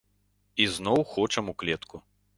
І зноў хочам у клетку!